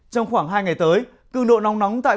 trong khoảng hai ngày tới cường độ nóng nóng tại các tỉnh